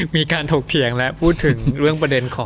มีการถกเถียงและพูดถึงเรื่องประเด็นของ